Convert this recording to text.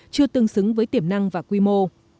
chưa tương xứng với tiềm năng và quy mô